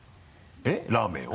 えっラーメンを？